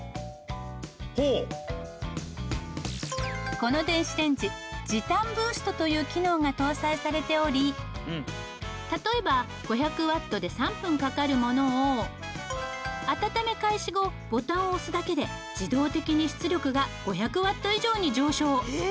この電子レンジ時短ブーストという機能が搭載されており例えば５００ワットで３分かかるものを温め開始後ボタンを押すだけで自動的に出力が５００ワット以上に上昇。